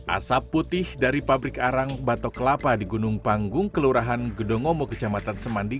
asap putih dari pabrik arang batok kelapa di gunung panggung kelurahan gedongomo kecamatan semandi